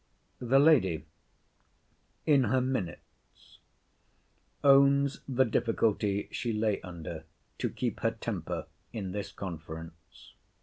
The Lady, in her minutes, owns the difficulty she lay under to keep her temper in this conference.